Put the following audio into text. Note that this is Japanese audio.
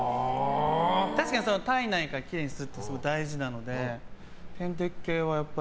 確かに体内からきれいにするって大事なので点滴系は。